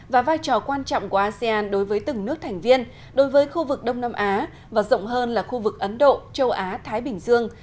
và vai trò quan trọng của asean đối với từng nước thành viên đối với khu vực đông nam á và rộng hơn là khu vực ấn độ châu á thái bình dương